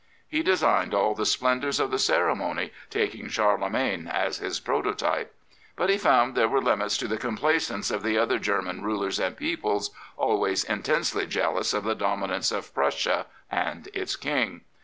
He designed all the splendours of the ceremony, taking Charlemagne as his prototype; but he found there were limits to the complaisance of the other German rulers and peoples, always intensely jealous of the 66 The Kaiser dominance of Prussia and its King.